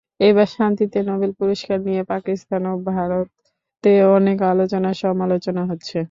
এবার শান্তিতে নোবেল পুরস্কার নিয়ে পাকিস্তান ও ভারতে অনেক আলোচনাসমালোচনা হচ্ছে।